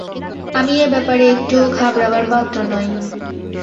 আমি এ ব্যাপারে একটুও ঘাবড়াবার পত্র নই।